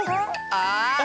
ああ！